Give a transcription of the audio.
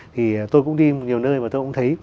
thì tôi cũng đi nhiều nơi và tôi cũng thấy